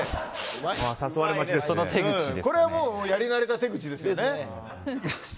これはやり慣れた手口ですね。